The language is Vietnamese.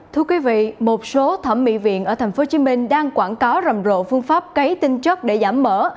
thưa quý vị một số thẩm mỹ viện ở tp hcm đang quảng cáo rầm rộ phương pháp cấy tinh chất để giảm mở